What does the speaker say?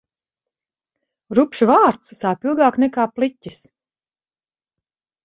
Rupjš vārds sāp ilgāk nekā pliķis.